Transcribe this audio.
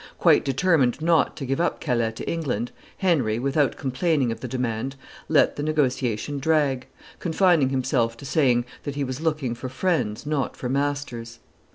Quite determined not to give up Calais to England, Henry, without complaining of the demand, let the negotiation drag, confining himself to saying that he was looking for friends, not for masters.